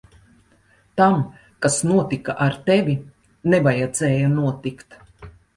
Tam, kas notika ar tevi, nevajadzēja notikt.